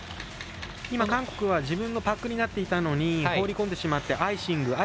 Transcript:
韓国は自分のパックになっていたのに放り込んでしまって、アイシング。